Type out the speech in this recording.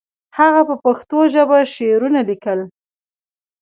هغه په پښتو ژبه شعرونه لیکل.